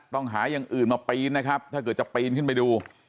หาอย่างอื่นมาปีนนะครับถ้าเกิดจะปีนขึ้นไปดู